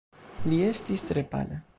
Li estis tre pala.